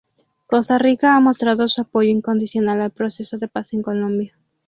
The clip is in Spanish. Costa Rica ha mostrado su apoyo incondicional al Proceso de paz en Colombia.